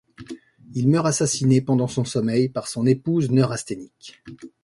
Il meurt assassiné pendant son sommeil par son épouse neurasthénique.